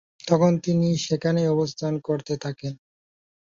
তখন তিনি সেখানেই অবস্থান করতে থাকেন।